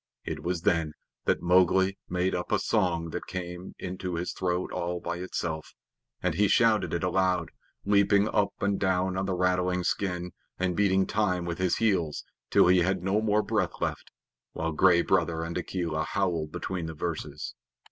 It was then that Mowgli made up a song that came up into his throat all by itself, and he shouted it aloud, leaping up and down on the rattling skin, and beating time with his heels till he had no more breath left, while Gray Brother and Akela howled between the verses.